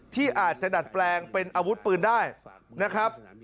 ที่อาจจะดัดแปลงเป็นอาวุธปืนได้นะครับ